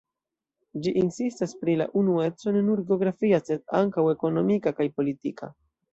Ĝi insistas pri la unueco ne nur geografia, sed ankaŭ ekonomika kaj politika.